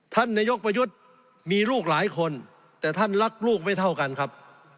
ท่านนายกประยุทธ์มีลูกหลายคนแต่ท่านรักลูกไม่เท่ากันครับ